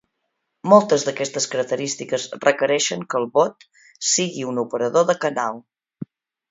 Moltes d'aquestes característiques requereixen que el bot sigui un operador de canal.